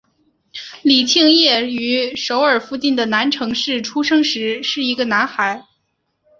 李庆烨于首尔附近的城南市出生时是一个男孩。